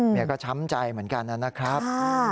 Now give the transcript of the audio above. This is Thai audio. ก็ช้ำใจเหมือนกันนะครับ